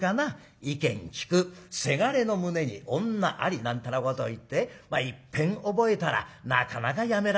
「意見聞くせがれの胸に女あり」なんてなことを言っていっぺん覚えたらなかなかやめられない。